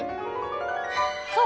そう！